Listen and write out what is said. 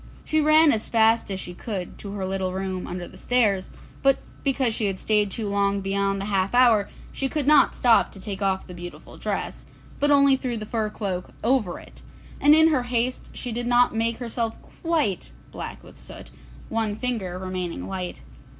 She ran as fast as she could to her little room under the stairs, but because she had stayed too long beyond the half hour, she could not stop to take off the beautiful dress, but only threw the fur cloak over it, and in her haste she did not make herself quite black with the soot, one finger remaining white.